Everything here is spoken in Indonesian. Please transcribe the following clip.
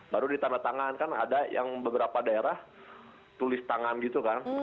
baru di tanda tangan kan ada yang beberapa daerah tulis tangan gitu kan